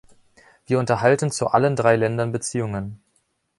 Wir unterhalten zu allen drei Ländern Beziehungen.